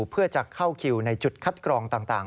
เพื่อจะเข้าคิวในจุดคัดกรองต่าง